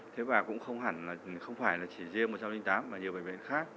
thế và cũng không phải chỉ riêng một trăm linh tám mà nhiều bệnh viện khác